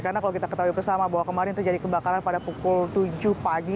karena kalau kita ketahui bersama bahwa kemarin terjadi kebakaran pada pukul tujuh pagi